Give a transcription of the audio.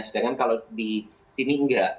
sedangkan kalau di sini enggak